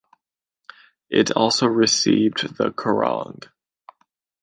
It also received the Kerrang!